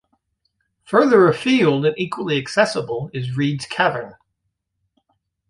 Further afield and equally accessible is Read's Cavern.